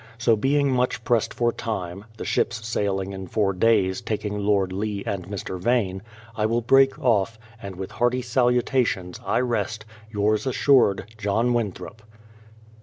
So, being much pressed for time, — the ships sailing in four days, taking Lord Lee and Mr. Vane, — I will break off, and with hearty salutations, I rest Yours assured, JOHN WINTHROP.